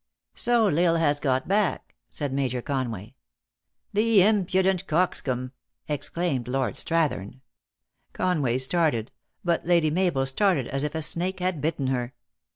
"So L Isle has got back," said Major Conway. "The impudent coxcomb!" exclaimed Lord Strath ern. Conway started. But Lady Mabel started as if a snake had bitten her.